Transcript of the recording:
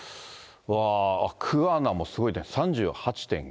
わあ、桑名もすごいね、３８．９度。